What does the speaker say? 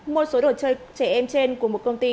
mua số đồ chơi trẻ em trên của một công ty